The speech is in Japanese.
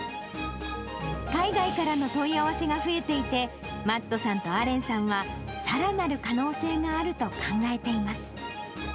海外からの問い合わせが増えていて、マットさんとアレンさんは、さらなる可能性があると考えています。